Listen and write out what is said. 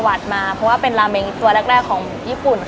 อันนี้จะเป็นลาเมนตัวแรกของญี่ปุ่น